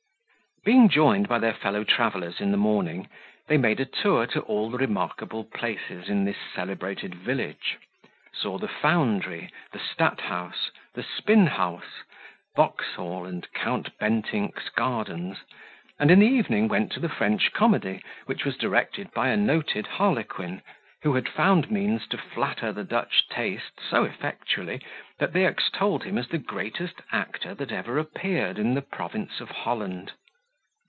Being joined by their fellow travellers in the morning, they made a tour to all the remarkable places in this celebrated village: saw the foundry, the Stadthouse, the Spinhuys, Vauxhall, and Count Bentinck's gardens; and in the evening went to the French comedy, which was directed by a noted harlequin, who had found means to flatter the Dutch taste so effectually, that they extolled him as the greatest actor that ever appeared in the province of Holland.